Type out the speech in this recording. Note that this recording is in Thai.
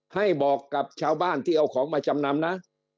ให้บอกกับชาวบ้านที่เอาของมาจำนำนะ